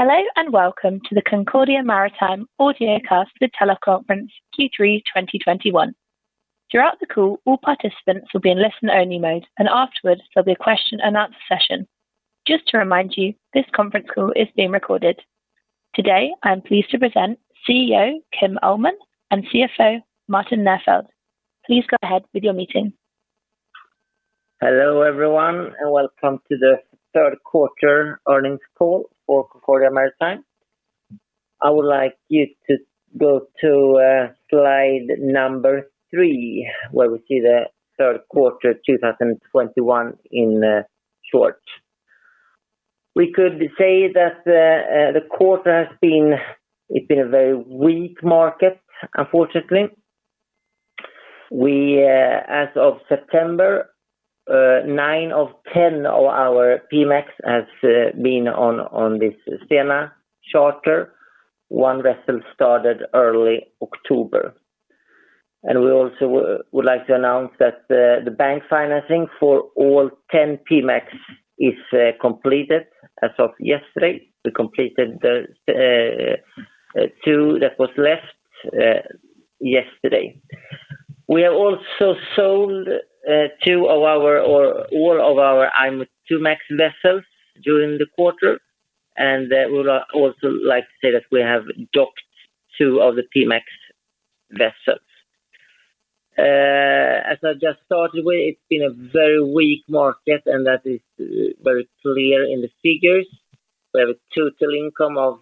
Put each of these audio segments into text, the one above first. Hello and welcome to the Concordia Maritime Audiocasted Teleconference, Q3 2021. Throughout the call, all participants will be in listen only mode, and afterwards there'll be a question and answer session. Just to remind you, this conference call is being recorded. Today, I am pleased to present CEO Kim Ullman and CFO Martin Nerfeldt. Please go ahead with your meeting. Hello, everyone, and welcome to the third quarter earnings call for Concordia Maritime. I would like you to go to slide number three, where we see the third quarter of 2021 in short. We could say that the quarter has been a very weak market, unfortunately. As of September, 9 of 10 of our P-MAX has been on this Stena charter. One vessel started early October. We also would like to announce that the bank financing for all 10 P-MAX is completed as of yesterday. We completed the two that was left yesterday. We have also sold all of our IMOIIMAX vessels during the quarter, and we would also like to say that we have docked two of the P-MAX vessels. As I just started with, it's been a very weak market, and that is very clear in the figures. We have a total income of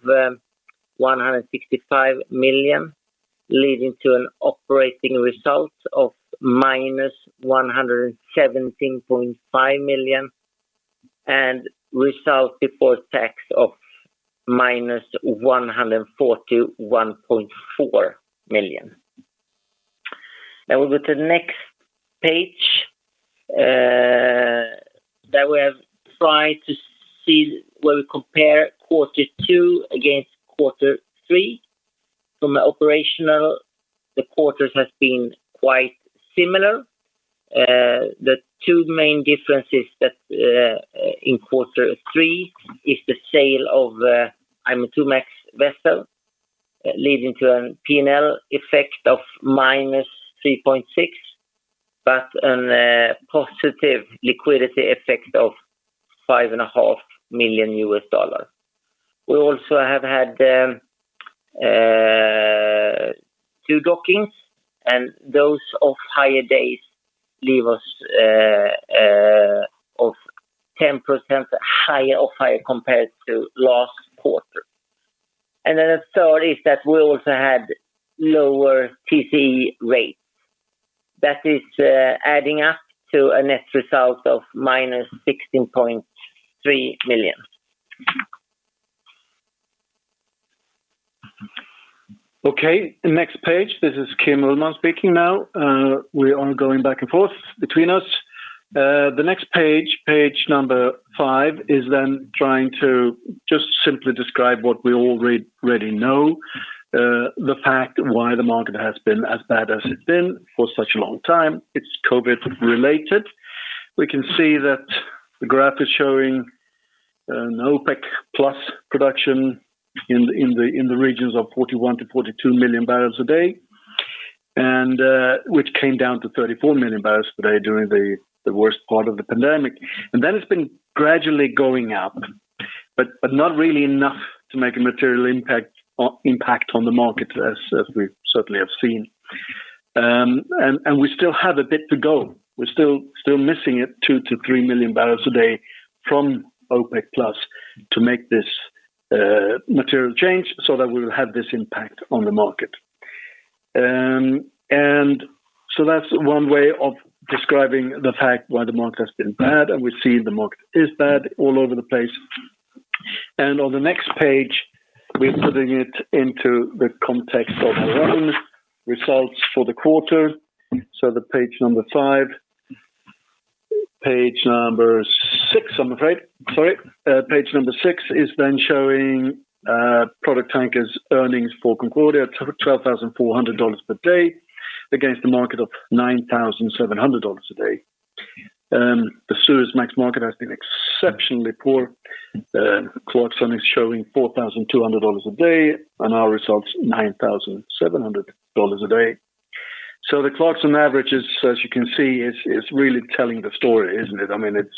165 million, leading to an operating result of -117.5 million and result before tax of -141.4 million. Now we go to the next page, that we have tried to see where we compare quarter two against quarter three. From an operational, the quarters has been quite similar. The two main differences that in quarter three is the sale of IMOIIMAX vessel, leading to a P&L effect of -3.6 million, but a positive liquidity effect of $5.5 million. We also have had two dockings, and those off-hire days leave us 10% higher off-hire compared to last quarter. The third is that we also had lower TC rates. That is adding up to a net result of -16.3 million. Okay, next page. This is Kim Ullman speaking now. We are going back and forth between us. The next page number five, is then trying to just simply describe what we already know, the fact why the market has been as bad as it's been for such a long time. It's COVID related. We can see that the graph is showing an OPEC+ production in the regions of 41-42 million barrels a day, and which came down to 34 million barrels per day during the worst part of the pandemic. That has been gradually going up, but not really enough to make a material impact on the market, as we certainly have seen. We still have a bit to go. We're still missing it 2-3 million barrels a day from OPEC+ to make this material change so that we'll have this impact on the market. That's one way of describing the fact why the market has been bad, and we see the market is bad all over the place. On the next page, we're putting it into the context of our own results for the quarter. Page number five. Page number six, I'm afraid. Sorry. Page number six is then showing product tankers earnings for Concordia at $12,400 per day against the market of $9,700 a day. The Suezmax market has been exceptionally poor. Clarksons is showing $4,200 a day and our results $9,700 a day. The Clarksons average, as you can see, is really telling the story, isn't it? I mean, it's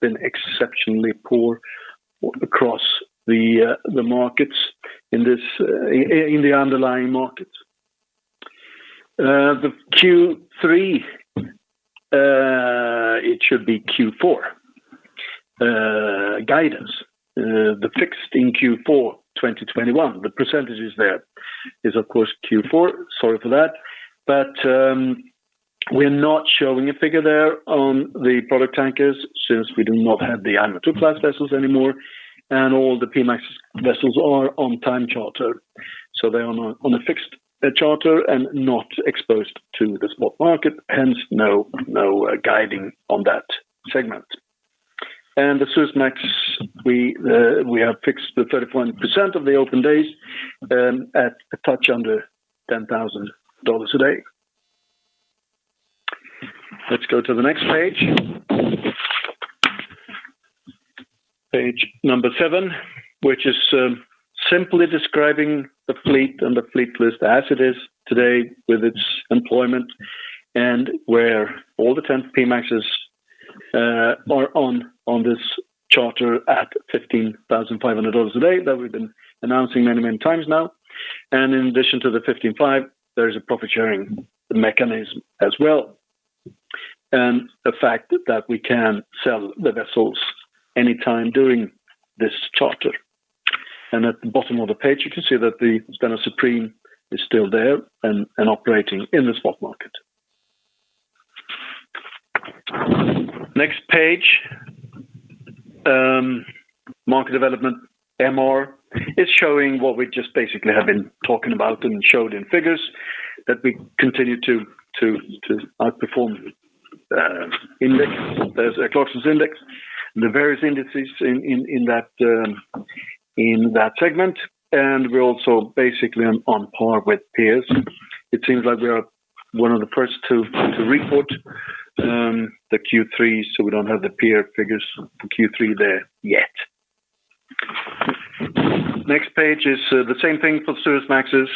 been exceptionally poor across the markets in the underlying markets. It should be Q4. Guidance, the fixed in Q4 2021, the percentages there is, of course, Q4. Sorry for that. We're not showing a figure there on the product tankers since we do not have the IMO II-class vessels anymore and all the P-MAX vessels are on time charter. They are on a fixed charter and not exposed to the spot market, hence no guiding on that segment. The Suezmax, we have fixed the 31% of the open days at a touch under $10,000 a day. Let's go to the next page. Page number seven, which is simply describing the fleet and the fleet list as it is today with its employment and where all the 10 P-MAXs are on this charter at $15,500 a day that we've been announcing many, many times now. In addition to the 15,500, there is a profit-sharing mechanism as well, and the fact that we can sell the vessels anytime during this charter. At the bottom of the page, you can see that the Stena Supreme is still there and operating in the spot market. Next page. Market development, MR, is showing what we just basically have been talking about and showed in figures that we continue to outperform the index. There's a Clarksons Index and the various indices in that segment. We're also basically on par with peers. It seems like we are one of the first to report the Q3, so we don't have the peer figures for Q3 there yet. Next page is the same thing for Suezmaxes,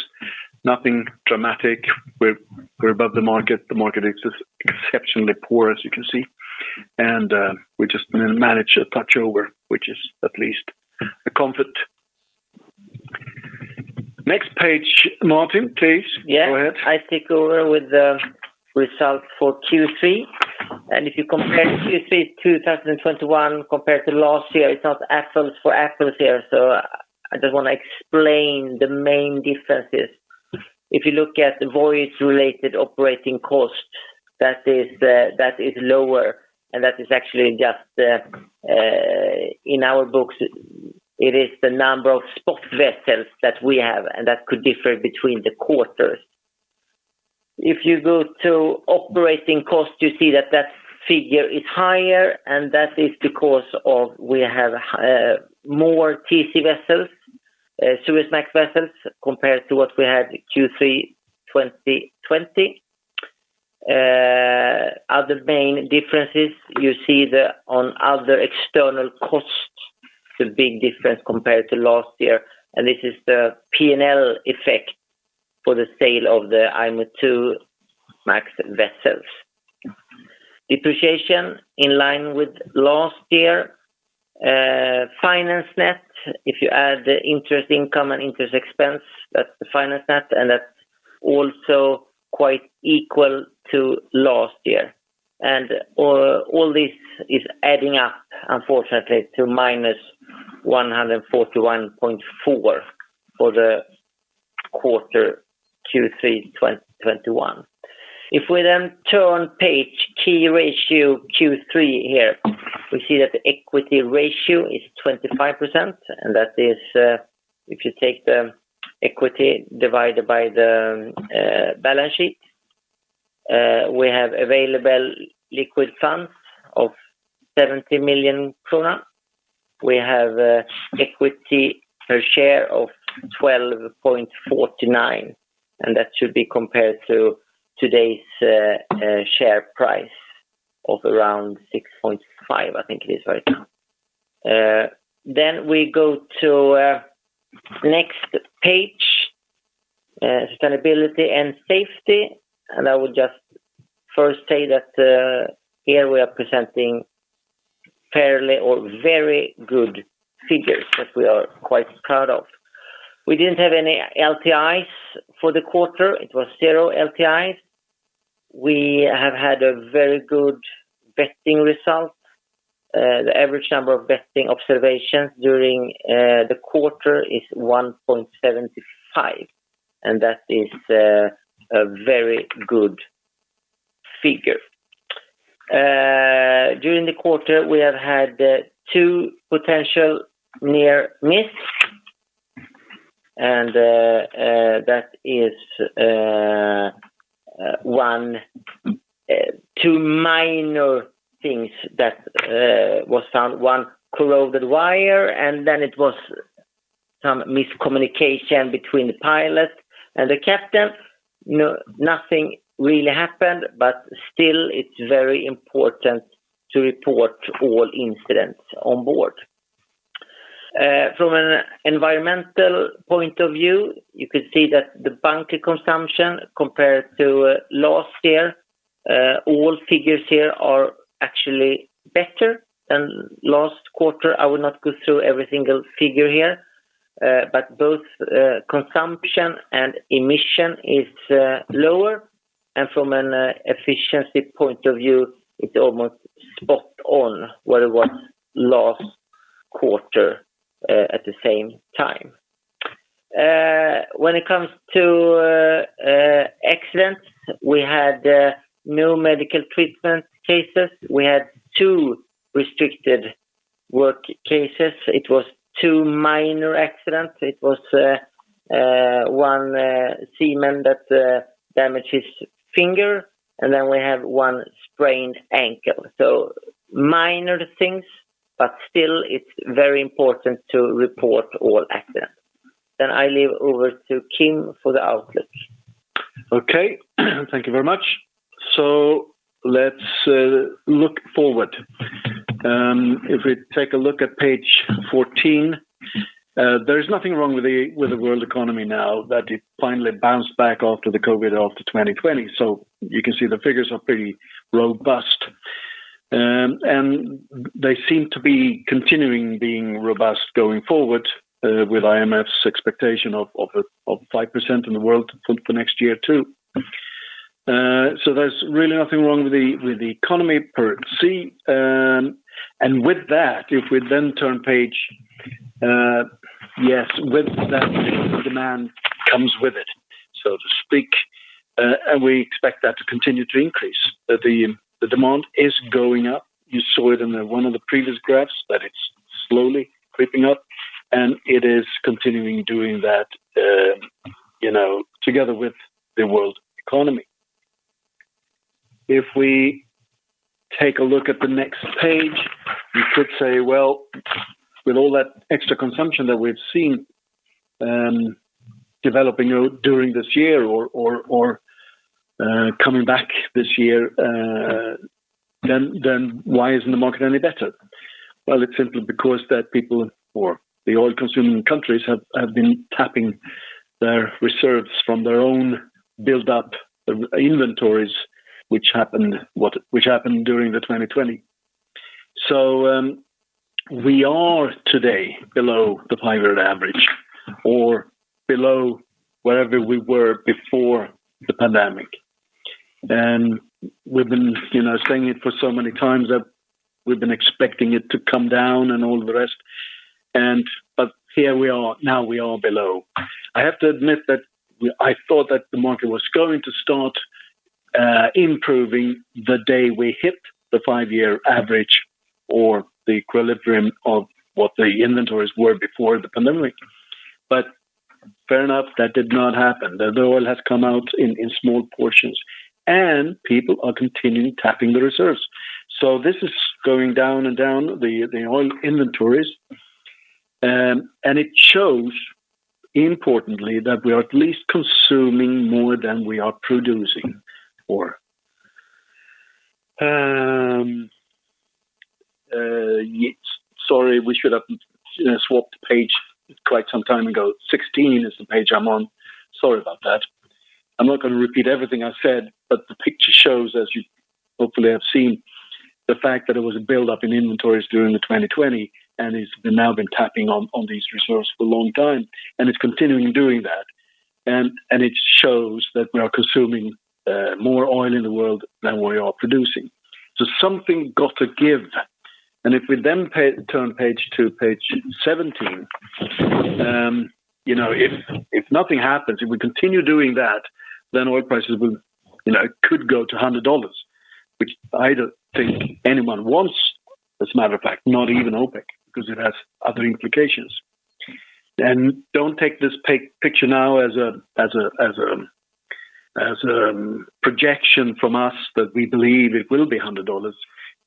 nothing dramatic. We're above the market. The market is just exceptionally poor, as you can see. We just manage a touch over, which is at least a comfort. Next page, Martin, please go ahead. Yeah. I take over with the results for Q3. If you compare Q3 2021 compared to last year, it's not apples for apples here. I just wanna explain the main differences. If you look at the voyage-related operating cost, that is lower, and that is actually just in our books. It is the number of spot vessels that we have, and that could differ between the quarters. If you go to operating costs, you see that that figure is higher, and that is because we have more TC vessels, Suezmax vessels, compared to what we had Q3 2020. Other main differences you see on other external costs, the big difference compared to last year, and this is the P&L effect for the sale of the IMOIIMAX vessels. Depreciation in line with last year. Finance net, if you add the interest income and interest expense, that's the finance net, and that's also quite equal to last year. All this is adding up, unfortunately, to -141.4 million for the quarter Q3 2021. If we then turn to the key ratios Q3 here, we see that the equity ratio is 25%, and that is if you take the equity divided by the balance sheet. We have available liquid funds of 70 million krona. We have equity per share of 12.49, and that should be compared to today's share price of around 6.5, I think it is right now. We go to next page, sustainability and safety. I will just first say that here we are presenting fairly or very good figures that we are quite proud of. We didn't have any LTIs for the quarter. It was 0 LTIs. We have had a very good vetting result. The average number of vetting observations during the quarter is 1.75, and that is a very good figure. During the quarter, we have had two potential near miss, and that is two minor things that was found. One corroded wire, and then it was some miscommunication between the pilot and the captain. Nothing really happened, but still it's very important to report all incidents on board. From an environmental point of view, you can see that the bunker consumption compared to last year, all figures here are actually better than last quarter. I will not go through every single figure here, but both consumption and emission is lower. From an efficiency point of view, it's almost spot on where it was last quarter at the same time. When it comes to accidents, we had no medical treatment cases. We had two restricted work cases. It was two minor accidents. It was one seaman that damaged his finger, and then we have one sprained ankle. Minor things, but still it's very important to report all accidents. I leave over to Kim for the outlook. Okay. Thank you very much. Let's look forward. If we take a look at page 14, there is nothing wrong with the world economy now that it finally bounced back after the COVID after 2020. You can see the figures are pretty robust. They seem to be continuing being robust going forward, with IMF's expectation of 5% in the world for next year too. There's really nothing wrong with the economy per se. With that, if we then turn page, yes, with that demand comes with it, so to speak. We expect that to continue to increase. The demand is going up. You saw it in one of the previous graphs that it's slowly creeping up, and it is continuing to do that, you know, together with the world economy. If we take a look at the next page, you could say, well, with all that extra consumption that we've seen developing during this year or coming back this year, then why isn't the market any better? Well, it's simply because that people or the oil consuming countries have been tapping their reserves from their own built-up inventories, which happened during 2020. We are today below the five-year average or below wherever we were before the pandemic. We've been, you know, saying it for so many times that we've been expecting it to come down and all the rest. But here we are. Now we are below. I have to admit that I thought that the market was going to start improving the day we hit the five-year average or the equilibrium of what the inventories were before the pandemic. Fair enough, that did not happen. The oil has come out in small portions, and people are continuing tapping the reserves. This is going down and down the oil inventories. It shows importantly that we are at least consuming more than we are producing for. Sorry, we should have, you know, swapped page quite some time ago. 16 is the page I'm on. Sorry about that. I'm not gonna repeat everything I said, but the picture shows, as you hopefully have seen, the fact that there was a buildup in inventories during 2020, and it's now been tapping on these reserves for a long time, and it's continuing doing that. It shows that we are consuming more oil in the world than we are producing. Something got to give. If we then turn page to page 17, if nothing happens, if we continue doing that, then oil prices will could go to $100, which I don't think anyone wants, as a matter of fact, not even OPEC, because it has other implications. Don't take this picture now as a projection from us that we believe it will be $100.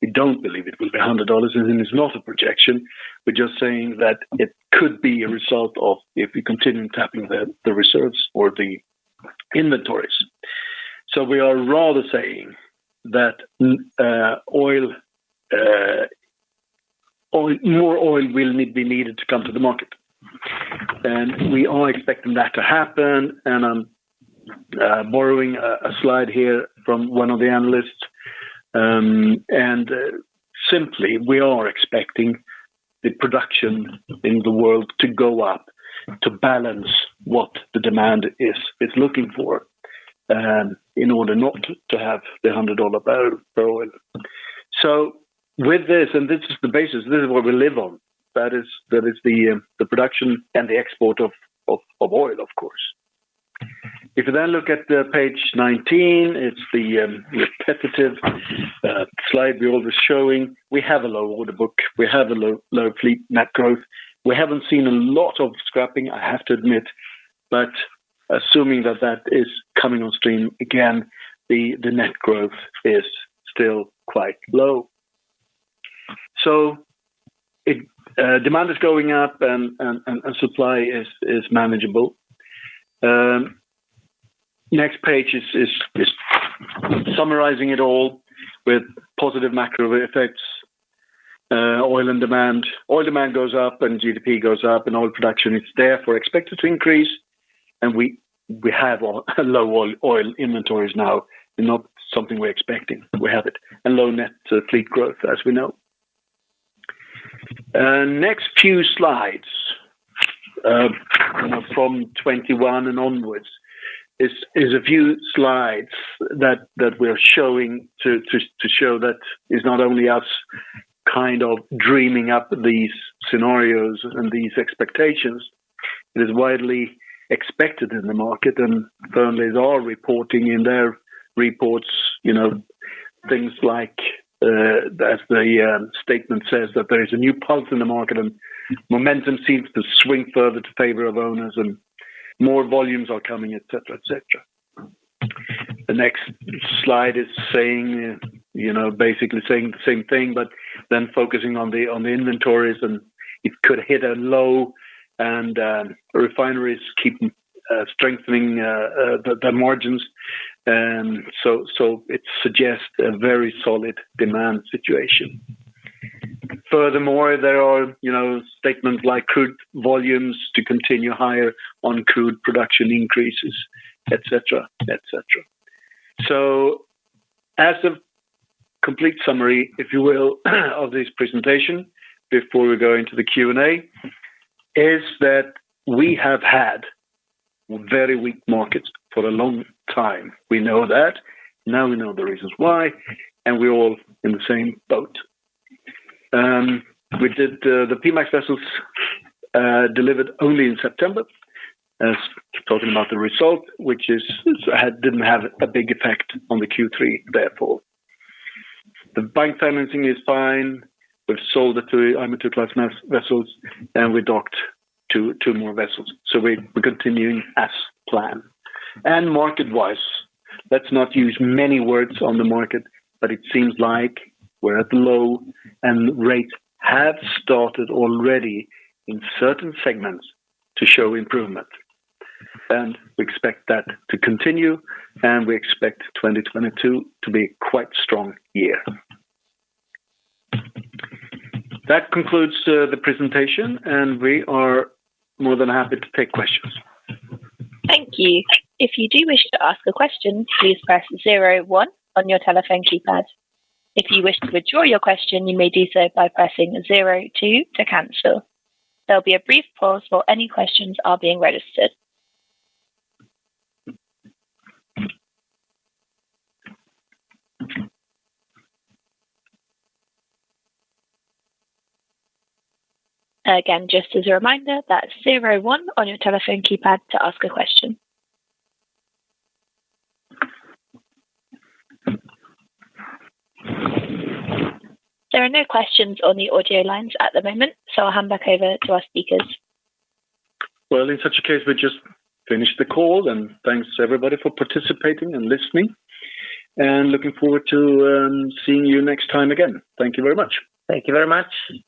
We don't believe it will be $100, and it is not a projection. We're just saying that it could be a result of if we continue tapping the reserves or the inventories. We are rather saying that more oil will need be needed to come to the market. We are expecting that to happen. I'm borrowing a slide here from one of the analysts. Simply, we are expecting the production in the world to go up to balance what the demand is looking for in order not to have the $100 barrel. With this is the basis, this is what we live on. That is the production and the export of oil, of course. If you then look at page 19, it's the repetitive slide we're always showing. We have a low order book. We have a low fleet net growth. We haven't seen a lot of scrapping, I have to admit. Assuming that is coming on stream again, the net growth is still quite low. Demand is going up and supply is manageable. Next page is summarizing it all with positive macro effects, oil and demand. Oil demand goes up and GDP goes up, and oil production is therefore expected to increase. We have low oil inventories now, not something we're expecting. We have it. Low net fleet growth, as we know. Next few slides from 21 and onwards is a few slides that we're showing to show that it's not only us kind of dreaming up these scenarios and these expectations. It is widely expected in the market, and firms are reporting in their reports, you know, things like, as the statement says, "That there is a new pulse in the market and momentum seems to swing further to favor of owners and more volumes are coming," et cetera, et cetera. The next slide is saying, you know, basically saying the same thing, but then focusing on the inventories, and it could hit a low and refineries keep strengthening the margins. It suggests a very solid demand situation. Furthermore, there are, you know, statements like crude volumes to continue higher on crude production increases, et cetera, et cetera. As a complete summary, if you will, of this presentation before we go into the Q&A, is that we have had very weak markets for a long time. We know that. Now we know the reasons why, and we're all in the same boat. We did the P-MAX vessels delivered only in September. Talking about the result, which didn't have a big effect on Q3, therefore. The bank financing is fine. We've sold the two IMOII vessels, and we docked two more vessels. We're continuing as planned. Market-wise, let's not use many words on the market, but it seems like we're at the low and rates have started already in certain segments to show improvement. We expect that to continue, and we expect 2022 to be quite strong year. That concludes the presentation, and we are more than happy to take questions. Thank you. If you do wish to ask a question, please press zero one on your telephone keypad. If you wish to withdraw your question, you may do so by pressing zero two to cancel. There'll be a brief pause while any questions are being registered. Again, just as a reminder, that's zero one on your telephone keypad to ask a question. There are no questions on the audio lines at the moment, so I'll hand back over to our speakers. Well, in such a case, we just finish the call, and thanks everybody for participating and listening. Looking forward to seeing you next time again. Thank you very much. Thank you very much.